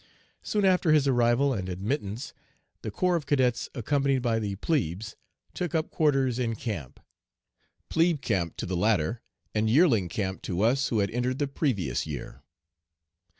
Soon after his arrival, and admittance, the corps of 'cadets, accompanied by the 'plebes,' took up quarters in camp 'plebe camp' to the latter, and 'yearling camp' to us who had entered the previous year.